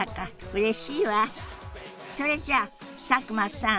それじゃ佐久間さん。